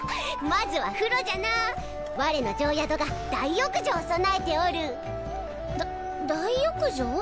まずは風呂じゃな我の定宿が大浴場を備えておるだ大浴場？